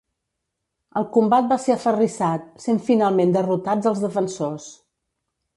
El combat va ser aferrissat, sent finalment derrotats els defensors.